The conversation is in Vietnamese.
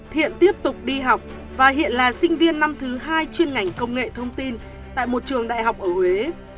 thiện tiếp tục đi học và hiện là sinh viên năm thứ hai chuyên ngành công nghệ thông tin tại một trường đại học ở huế